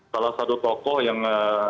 salah satu tokoh yang